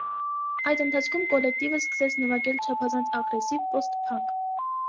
Այդ ընթացքում կոլեկտիվը սկսեց նվագել չափազանց ագրեսիվ պոստ փանկ։